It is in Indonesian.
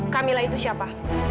kamila itu siapa